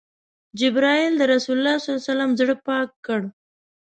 جبرئیل د رسول الله ﷺ زړه پاک کړ.